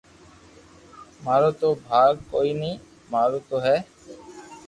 مارو تو ڀاگ ڪوئي ني مارو تو ھي